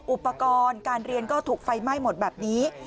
อุปกรณ์การเรียนก็ถูกไฟไหม้หมดแบบนี้